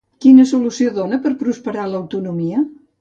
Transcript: Quina solució dona per a prosperar l'autonomia?